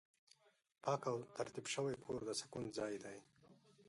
پاک او ترتیب شوی کور د سکون ځای دی.